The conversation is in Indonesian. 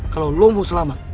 kalau lu mau selamat